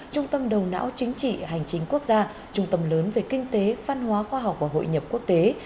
trung tâm đầu não chính trị hành chính quốc gia trung tâm lớn về kinh tế văn hóa khoa học và hội nhập quốc tế